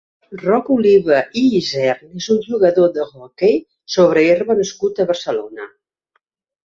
Roc Oliva i Isern és un jugador d'hoquei sobre herba nascut a Barcelona.